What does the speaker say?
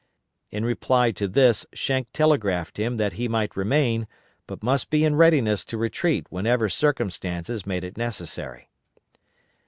In reply to this Schenck telegraphed him that he might remain, but must be in readiness to retreat whenever circumstances made it necessary.